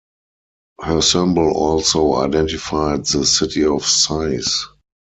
Her symbol also identified the city of Sais.